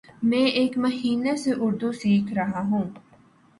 میں ایک مہینہ سے اردو سیکھرہاہوں